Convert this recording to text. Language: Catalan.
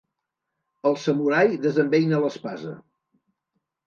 El samurai desembeina l'espasa.